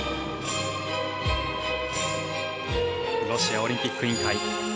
ロシアオリンピック委員会。